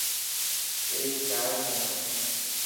اي شاعر هي.